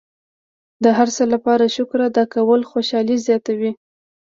د هر څه لپاره شکر ادا کول خوشحالي زیاتوي.